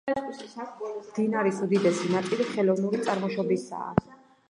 მდინარის უდიდესი ნაწილი ხელოვნური წარმოშობისაა.